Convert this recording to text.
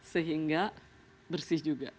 sehingga bersih juga